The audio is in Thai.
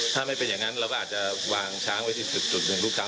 ถ้าไม่เป็นอย่างนั้นเราอาจจะวางช้างไว้ที่จุด๑ลูกช้าง